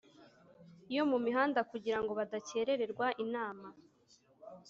yo mu mihanda kugira ngo badakerererwa inama.